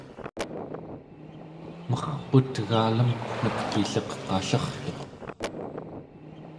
merput elagamten̄ek pilleq qallertuq